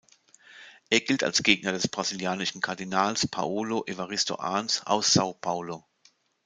Er gilt als Gegner des brasilianischen Kardinals Paulo Evaristo Arns aus São Paulo.